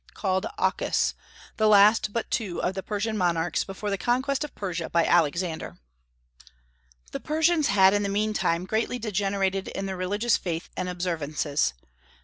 called Ochus, the last but two of the Persian monarchs before the conquest of Persia by Alexander. The Persians had in the mean time greatly degenerated in their religious faith and observances.